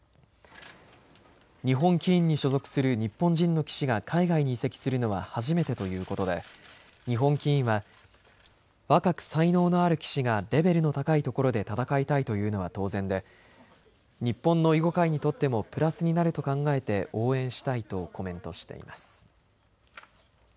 日本棋院に所属する日本人の棋士が海外に移籍するのは初めてということで日本棋院は若く才能のある棋士がレベルの高いところで戦いたいというのは当然で日本の囲碁界にとってもプラスになると考えて応援したいとコメントしています。